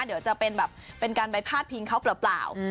เดี๋ยวจะเป็นแบบเป็นการไปพาดพิงเขาเปล่า